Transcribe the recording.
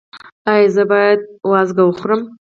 ایا زه باید وازګه وخورم؟